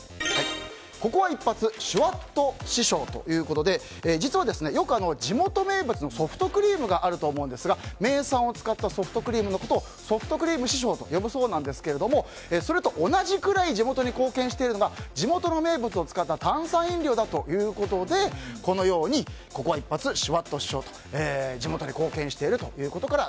ここは一発シュワッと師匠ということで実は、よく地元名物のソフトクリームがあると思うんですが名産を使ったソフトクリームのことをソフトクリーム師匠と呼ぶそうなんですけどそれと同じくらい地元に貢献しているのが地元の名物を使った炭酸飲料だということでこのようにここは一発シュワッと師匠と地元に貢献していることから